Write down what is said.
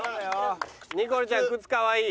ニコルちゃん靴かわいい。